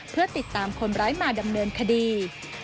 เพื่อติดตามคนร้ายมาดำเนินคดี